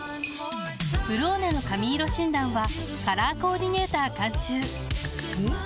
「ブローネ」の髪色診断はカラーコーディネーター監修おっ！